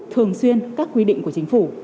thường xuyên các quy định của chính phủ